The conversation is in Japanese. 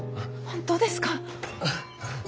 本当ですか？